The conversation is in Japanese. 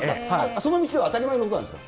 その道では当たり前のことなんですか？